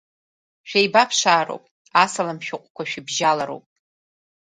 Шәеибаԥшаароуп, асалам шәыҟәқәа шәыбжьалароуп…